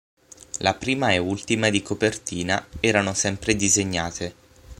La prima e ultima di copertina erano sempre disegnate.